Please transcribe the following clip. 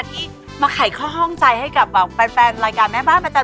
ที่มาไขข้อห้องใจให้กับแฟนรายการแม่บ้านประจำ